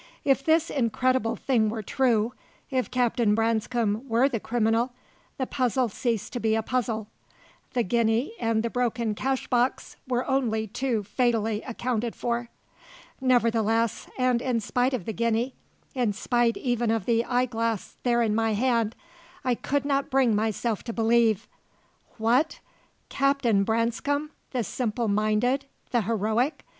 If this incredible thing were true if Captain Branscome were the criminal the puzzle ceased to be a puzzle; the guinea and the broken cashbox were only too fatally accounted for. Nevertheless, and in spite of the guinea, in spite even of the eyeglass there in my hand, I could not bring myself to believe. What? Captain Branscome, the simple minded, the heroic?